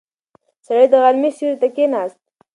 سړی د غرمې سیوري ته کیناست.